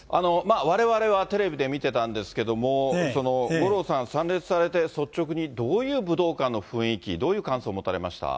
われわれはテレビで見てたんですけれども、五郎さん、参列されて、率直にどういう武道館の雰囲気、どういう感想を持たれました？